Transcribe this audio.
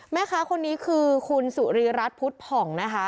แม่ค้าคนนี้คือคุณสุรีรัฐพุทธผ่องนะคะ